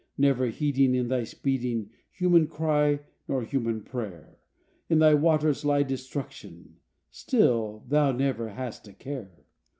Never heeding in thy speeding, Human cry nor human prayer, In thy waters lie destruction, Still thou never hast a care.